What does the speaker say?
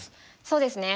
そうですね。